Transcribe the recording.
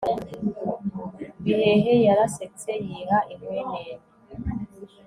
bihehe yarasetse yiha inkwenene